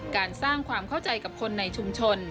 การสร้างความเข้าใจกับคนในชุมชน